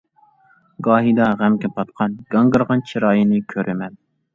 گاھىدا غەمگە پاتقان گاڭگىرىغان چىراينى كۆرىمەن.